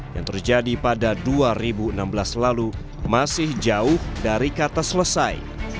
yang terjadi pada dua ribu enam belas lalu masih jauh dari kata selesai